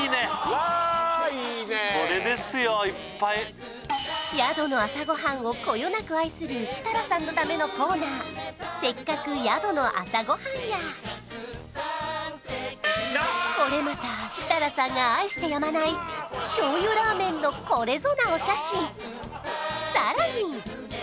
これですよいっぱい宿の朝ごはんをこよなく愛する設楽さんのためのコーナー「せっかく宿の朝ごはん」やこれまた設楽さんが愛してやまない醤油ラーメンのこれぞ！